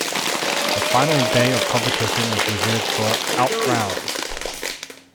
The final day of competition is reserved for out-rounds.